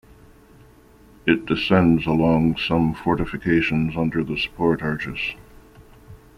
It descends along some fortifications under the support arches.